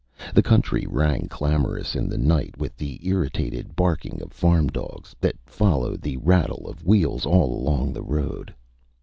The country rang clamorous in the night with the irritated barking of farm dogs, that followed the rattle of wheels all along the road.